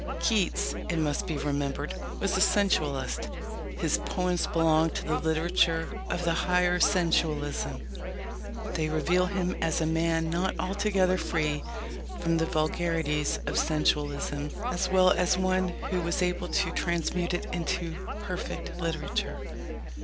Keats, it must be remembered, was a sensualist. His poems belong to the literature of the higher sensualism. They reveal him as a man not altogether free from the vulgarities of sensualism, as well as one who was able to transmute it into perfect literature.